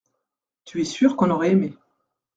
Tu es sûr qu’on aurait aimé.